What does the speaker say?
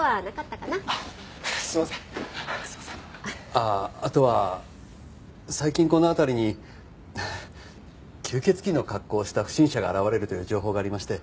あああとは最近この辺りに吸血鬼の格好をした不審者が現れるという情報がありまして。